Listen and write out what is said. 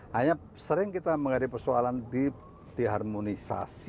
hanya sering kita menghadapi persoalan diharmonisasi